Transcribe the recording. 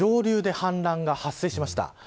上流で氾濫が発生しました。